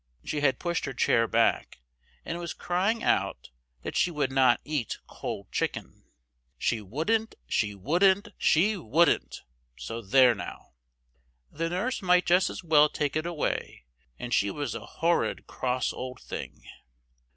She had pushed her chair back, and was crying out that she would not eat cold chicken. She wouldn't, she wouldn't, she wouldn't! so there now! The nurse might just as well take it away, and she was a horrid cross old thing!